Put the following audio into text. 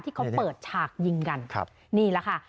ที่เขาเปิดฉากยิงกันครับนี่แหละค่ะ